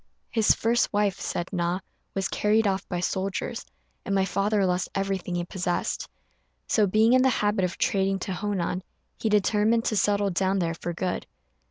"His first wife," said Na, "was carried off by soldiers, and my father lost everything he possessed; so, being in the habit of trading to Honan, he determined to settle down there for good."